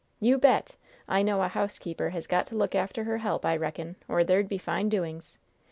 "You bet! I know a housekeeper has got to look after her help, I reckon, or there'd be fine doings.